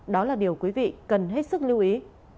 đó là điều quý vị cần hết sức lưu ý